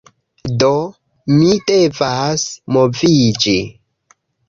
Do, mi devas moviĝi